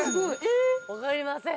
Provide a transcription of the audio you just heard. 分かりません。